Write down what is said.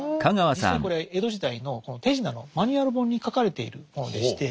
実際にこれ江戸時代のこの手品のマニュアル本に書かれているものでして。